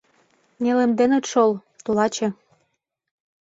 — Нелемденыт шол, тулаче.